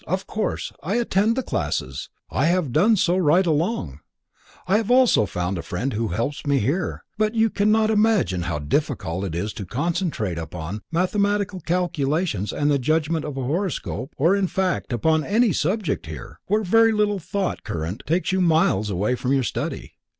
of course I attend the classes, I have done so right along; I have also found a friend who helps me here. But you cannot imagine how difficult it is to concentrate here upon mathematical calculations and the judgment of a horoscope or in fact upon any subject here, where every little thought current takes you miles away from your study.